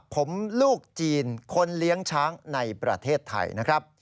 ผมลูกจีนคนเลี้ยงช้างในประเทศไทยนะครับ